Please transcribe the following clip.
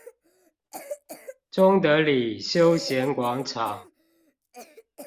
中德里休閒廣場